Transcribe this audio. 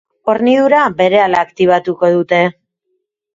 Hornidura berehala aktibatuko dute.